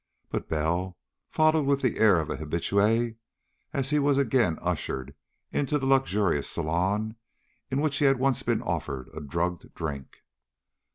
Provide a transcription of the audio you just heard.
But Bell followed with the air of an habitué, as he was again ushered into the luxurious salon in which he had once been offered a drugged drink.